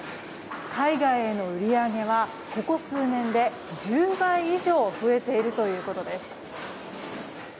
海外への売り上げはここ数年で１０倍以上増えているということです。